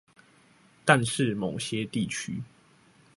但是某些地區